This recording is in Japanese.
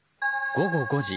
午後５時。